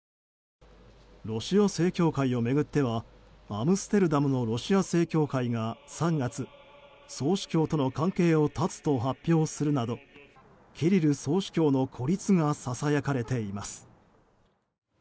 ロシア正教会を巡ってはアムステルダムのロシア正教会が３月、総主教との関係を断つと発表するなどキリル総主教の孤立がささやかれています。